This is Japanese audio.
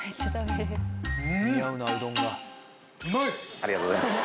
ありがとうございます。